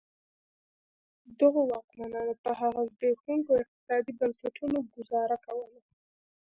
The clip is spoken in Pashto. دغو واکمنانو په هغه زبېښونکو اقتصادي بنسټونو ګوزاره کوله.